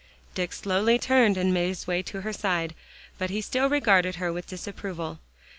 Dick slowly turned and made his way to her side, but he still regarded her with disapproval.